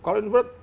kalau ini berut